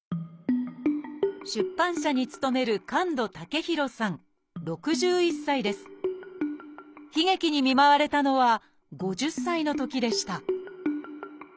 出版社に勤める悲劇に見舞われたのは５０歳のときでした